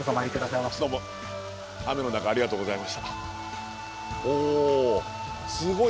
どうも雨の中ありがとうございました。